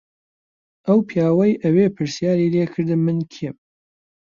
ئەو پیاوەی ئەوێ پرسیاری لێ کردم من کێم.